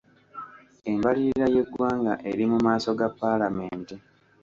Embalirira y’eggwanga eri mu maaso ga Ppaalamenti,